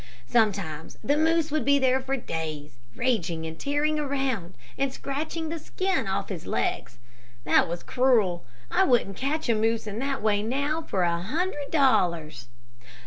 Sometimes the moose would be there for days, raging and tearing around, and scratching the skin off his legs. That was cruel. I wouldn't catch a moose in that way now for a hundred dollars.